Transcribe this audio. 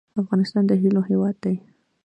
افغانستان د هیلو هیواد دی